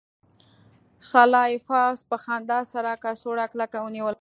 سلای فاکس په خندا سره کڅوړه کلکه ونیوله